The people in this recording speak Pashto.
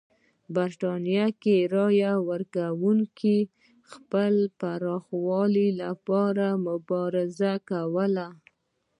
په برېټانیا کې یې د رایې ورکونې حق پراخولو لپاره مبارزه کوله.